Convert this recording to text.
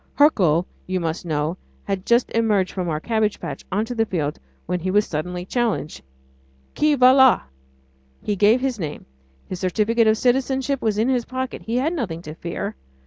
Hercule, you must know, had just emerged from our cabbage patch on to the field when he was suddenly challenged: "Qui va la?" He gave his name. His certificate of citizenship was in his pocket; he had nothing to fear.